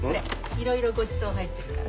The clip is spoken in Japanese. いろいろごちそう入ってるから。